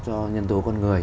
cho nhân tố con người